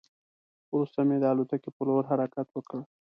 وروسته مو د الوتکې په لور حرکت وکړ.